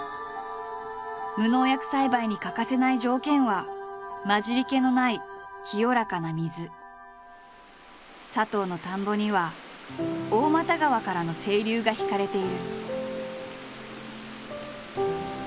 無農薬栽培に欠かせない条件は混じりけのない佐藤の田んぼには大又川からの清流が引かれている。